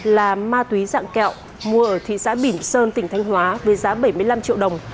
là ma túy dạng kẹo mua ở thị xã bỉm sơn tỉnh thanh hóa với giá bảy mươi năm triệu đồng